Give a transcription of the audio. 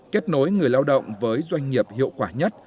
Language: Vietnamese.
kết nối người lao động với doanh nghiệp hiệu quả nhất